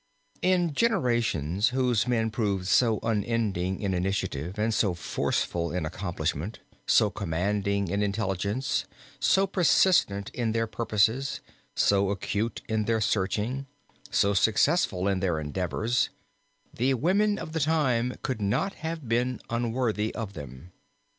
In generations whose men proved so unending in initiative and so forceful in accomplishment, so commanding in intelligence, so persistent in their purposes, so acute in their searching, so successful in their endeavors, the women of the time could not have been unworthy of them.